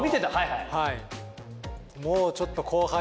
はいはい。